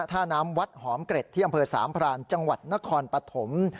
ท่าน้ำวัดหอมเกร็ดที่อำเภอสามพรานจังหวัดนครปฐม